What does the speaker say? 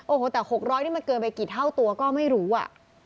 โอ้โหแต่๖๐๐นี่มันเกินไปกี่เท่าตัวก็ไม่รู้อ่ะ